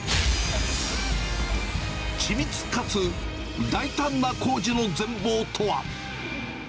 緻密かつ大胆な工事の全ぼうとは。